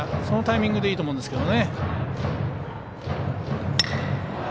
そのタイミングでいいと思うんですけどね。